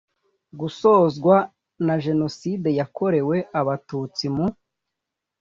gusozwa na jenoside yakorewe abatutsi mu